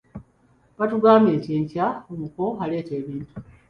Batugambye nti enkya omuko aleeta ebintu.